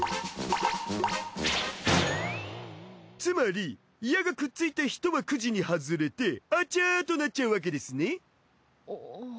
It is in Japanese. つまり矢がくっついた人はクジに外れてアチャーとなっちゃうわけですね。